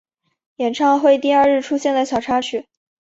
演唱会第二日出现了小插曲。